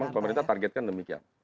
memang pemerintah targetkan demikian